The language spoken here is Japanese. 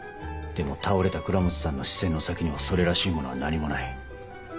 でも倒れた倉持さんの視線の先にはそれらしいものは何もない。